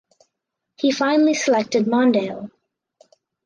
He finally selected Mondale.